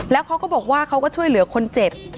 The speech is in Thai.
แล้วเขาก็บอกว่าเขาก็ช่วยเหลือคนเจ็บ